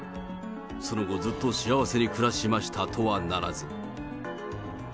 その後ずっと幸せに暮らしましたとはならず。